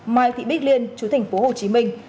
mai thị bích liên chú thành phố hồ chí minh